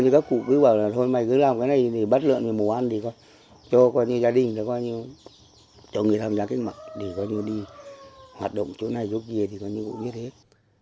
các cụ cứ bảo là thôi mày cứ làm cái này thì bắt lượn về mù ăn thì cho coi như gia đình cho người tham gia cách mạng để coi như đi hoạt động chỗ này chỗ kia thì coi như cũng biết hết